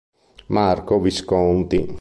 Marco Visconti